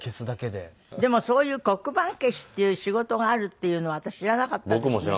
でもそういう黒板消しっていう仕事があるっていうのは私知らなかったですね。